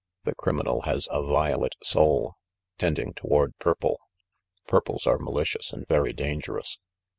The criminal has a violet soul, tend ing toward purple. Purples are malicious and very dangerous.